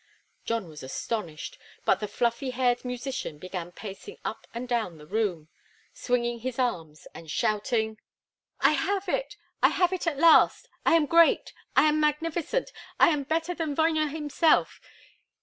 John was astonished, but the fluffy haired musician began pacing up and down the room, swinging his arms and shouting: "I have it! I have it at last! I am great! I am magnificent! I am better than Vogner himself!"